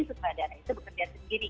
sutradara itu bekerja sendiri